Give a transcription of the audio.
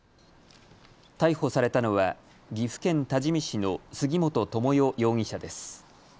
逮捕されたのは岐阜県多治見市の杉本智代容疑者です。